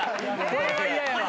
これは嫌やわ。